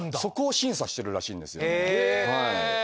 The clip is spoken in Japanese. そこを審査してるらしいんですよね。